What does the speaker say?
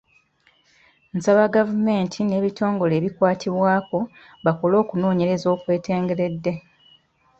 Nsaba gavumenti n’ebitongole ebikwatibwako bakole okunoonyereza okwetengeredde.